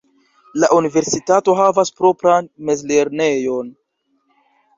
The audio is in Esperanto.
La universitato havas propran mezlernejon.